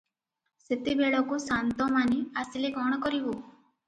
ସେତେବେଳକୁ ସାନ୍ତମାନେ ଆସିଲେ କଣ କରିବୁ?